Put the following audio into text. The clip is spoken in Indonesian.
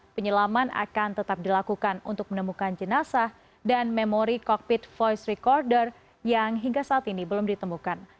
penyelaman akan tetap dilakukan untuk menemukan jenazah dan memori kokpit voice recorder yang hingga saat ini belum ditemukan